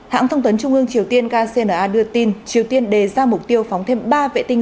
hãng thông tuấn trung ương triều tiên kcna đưa tin triều tiên đề ra mục tiêu phóng thêm ba vệ tinh